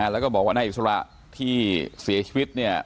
แล้วก็บอกว่านายอิสระที่เสียชีวิตเนี่ย